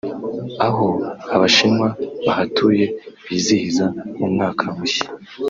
aho abashinwa bahatuye bizihiza umwaka mushya